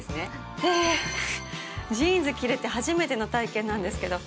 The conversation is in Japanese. ええジーンズ切るって初めての体験なんですけど。